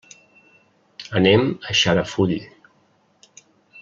Anem a Xarafull.